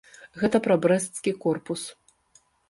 Гэта пра брэсцкі корпус.